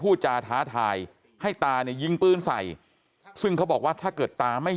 จาท้าทายให้ตาเนี่ยยิงปืนใส่ซึ่งเขาบอกว่าถ้าเกิดตาไม่